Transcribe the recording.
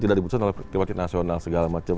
tidak diputuskan oleh tripartit nasional segala macam